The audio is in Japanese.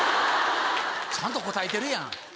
ちゃんと答えてるやん。